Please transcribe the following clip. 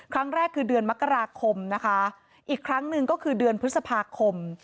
ครั้งแรกคือเดือนมกราคมนะคะอีกครั้งหนึ่งก็คือเดือนพฤษภาคม